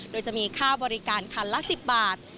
โดยจะมีค่าบริการคันละ๑๐บาท